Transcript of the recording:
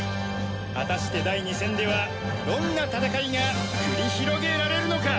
果たして第２戦ではどんな戦いが繰り広げられるのか！？